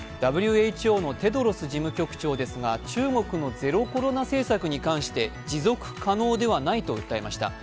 ＷＨＯのテドロス事務局長ですが中国のゼロコロナ政策に対して持続可能ではないと訴えました。